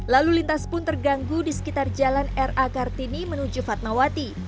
lalu lintas pun terganggu di sekitar jalan r a kartini menuju fatmawati